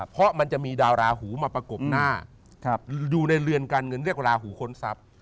เพราะมันจะมีดาวราหูมาประกบหน้าอยู่ในเรือนการเงินเรียกราหูค้นทรัพย์